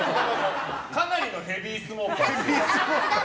かなりのヘビースモーカーですね。